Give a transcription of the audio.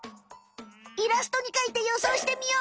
イラストに描いてよそうしてみよう！